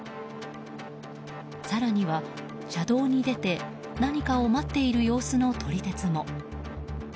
更には車道に出て何かを待っている様子の撮り鉄も。